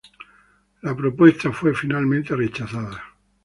La propuesta fue finalmente rechazada.